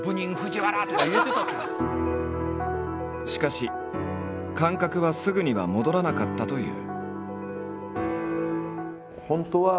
しかし感覚はすぐには戻らなかったという。